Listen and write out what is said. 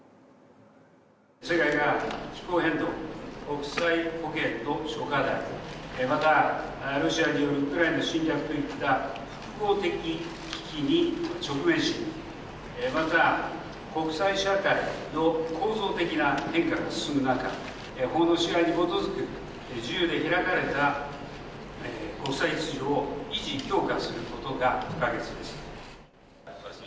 世界が気候変動、国際保健の諸課題、またロシアによるウクライナ侵略といった複合的危機に直面し、また国際社会の構造的な変化が進む中、法の支配に基づく自由で開かれた国際秩序を維持強化することが不可欠です。